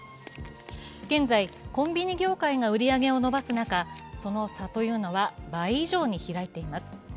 現在、コンビニ業界が売り上げを伸ばす中、その差というのは倍以上に開いています。